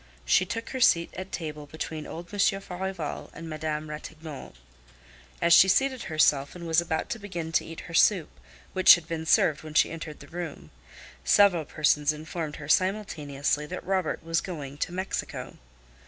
She took her seat at table between old Monsieur Farival and Madame Ratignolle. As she seated herself and was about to begin to eat her soup, which had been served when she entered the room, several persons informed her simultaneously that Robert was going to Mexico.